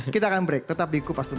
kita akan break tetap di ikut pas tuntas